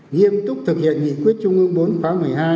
nghiêm túc thực hiện nhị quyết chung ương bốn khóa một mươi hai